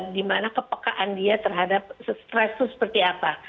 di mana kepekaan dia terhadap stres itu seperti apa